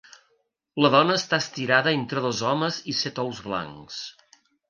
La dona està estirada entre dos homes i set ous blancs.